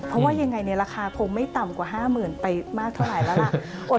เพราะว่ายังไงในราคาคงไม่ต่ำกว่า๕๐๐๐ไปมากเท่าไหร่แล้วล่ะ